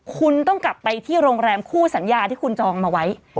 คุณต้องกลับไปที่โรงแรมคู่สัญญาที่คุณจองมาไว้